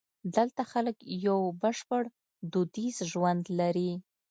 دلته خلک یو بشپړ دودیز ژوند لري.